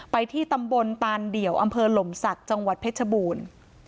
ที่ตำบลตานเดี่ยวอำเภอหลมศักดิ์จังหวัดเพชรบูรณ์